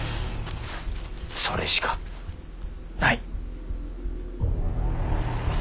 それしかない。